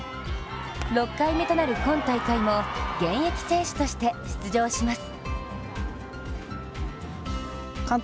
６回目となる今大会も現役選手として出場します。